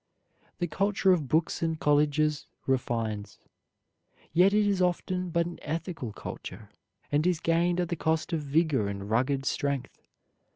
The culture of books and colleges refines, yet it is often but an ethical culture, and is gained at the cost of vigor and rugged strength.